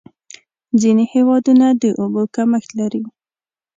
ځینې هېوادونه د اوبو کمښت لري.